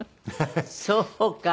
そうか。